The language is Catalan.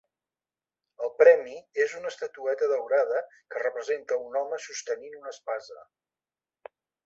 El premi és una estatueta daurada que representa un home sostenint una espasa.